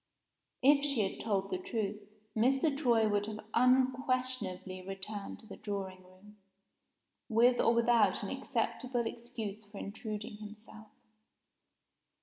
If she had told the truth, Mr. Troy would have unquestionably returned to the drawing room, with or without an acceptable excuse for intruding himself.